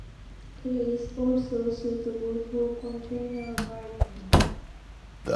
It is also suitable for container gardening.